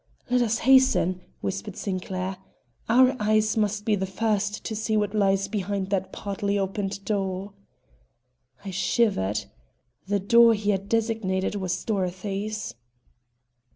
"Let us hasten," whispered Sinclair. "Our eyes must be the first to see what lies behind that partly opened door." I shivered. The door he had designated was Dorothy's.